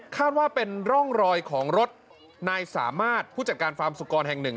ว่าเป็นร่องรอยของรถนายสามารถผู้จัดการฟาร์มสุกรแห่งหนึ่ง